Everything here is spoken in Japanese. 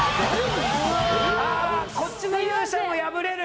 ああこっちの勇者も敗れる。